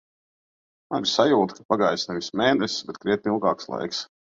Man ir sajūta, ka pagājis nevis mēnesis, bet krietni ilgāks laiks.